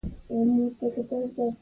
که داسې فکر ونه کړي، ګډوډ شي.